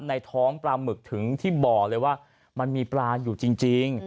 ในท้องปลาหมึกถึงที่บ่อเลยว่ามันมีปลาอยู่จริง